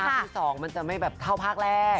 ที่๒มันจะไม่แบบเท่าภาคแรก